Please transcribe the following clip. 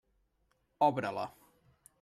Obre-la.